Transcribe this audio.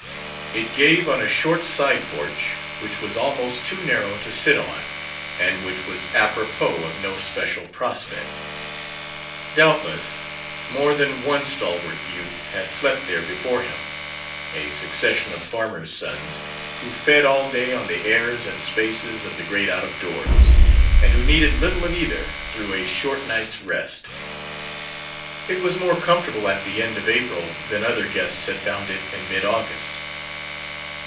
It gave on a short side porch which was almost too narrow to sit on and which was apropos of no special prospect. Doubtless more than one stalwart youth had slept there before him, a succession of farmers' sons who fed all day on the airs and spaces of the great out of doors, and who needed little of either through a short night's rest. It was more comfortable at the end of April than other guests had found it in mid August.